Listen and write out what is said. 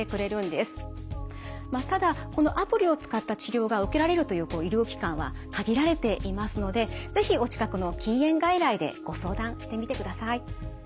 ただこのアプリを使った治療が受けられるという医療機関は限られていますので是非お近くの禁煙外来でご相談してみてください。